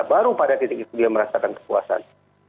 baru pada titik itu dia merasakan kepuasan